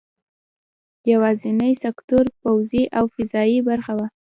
یوازینی سکتور پوځي او فضايي برخه وه.